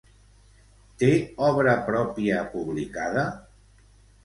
Té obra pròpia publicada?